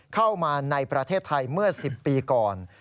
เข้ามาในประเทศไทยเมื่อ๑๐ปีก่อน